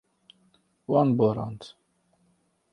Wan borand.